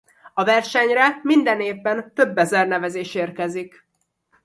A versenyre minden évben több ezer nevezés érkezik.